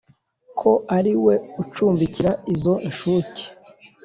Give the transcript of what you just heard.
ko ari we ucumbikira izo nshuke.